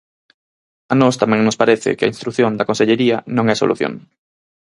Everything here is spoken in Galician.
A nós tamén nos parece que a instrución da consellería non é a solución.